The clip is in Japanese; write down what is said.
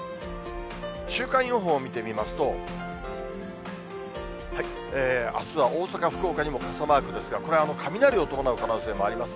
週間予報見てみますと、あすは大阪、福岡にも傘マークですが、これは雷を伴う可能性もあります。